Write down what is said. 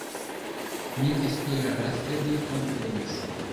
Mi esperas ke vi komprenas